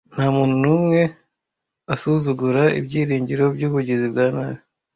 nta muntu n'umwe asuzugura ibyiringiro by'ubugizi bwa nabi